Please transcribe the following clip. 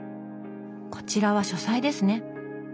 こちらは書斎ですね。